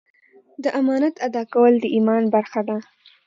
د امانت ادا کول د ایمان برخه ده.